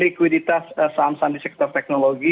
likuiditas saham saham di sektor teknologi